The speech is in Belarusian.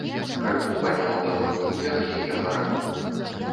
Крыху падняў далонню ўверх яе бараду.